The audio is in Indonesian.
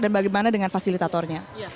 dan bagaimana dengan fasilitatornya